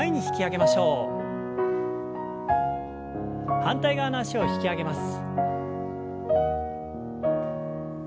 反対側の脚を引き上げます。